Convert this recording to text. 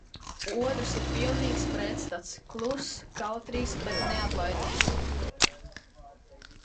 Otrs ir pilnīgs pretstats - kluss, kautrīgs, bet neatlaidīgs.